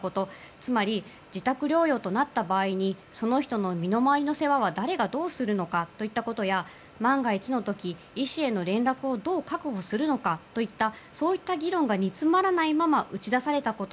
つまり、自宅療養となった場合にその人の身の回りの世話は誰がどうするのかといったことや万が一の時、医師への連絡をどう確保するのかといったそういった議論が煮詰まらないまま打ち出されたこと。